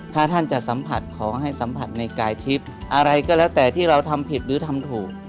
ถ้าท่านจะสัมผัสของให้สัมผัสในกายทิพย์อะไรก็แล้วแต่ที่เราทำผิดหรือทำถูก